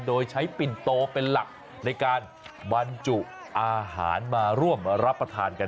โดยใช้ปิ่นโตเป็นหลักในการบรรจุอาหารมาร่วมรับประทานกัน